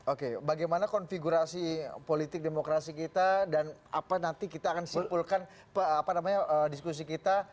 oke bagaimana konfigurasi politik demokrasi kita dan apa nanti kita akan simpulkan diskusi kita